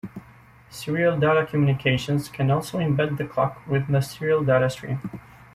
Serial data communications can also embed the clock within the serial data stream.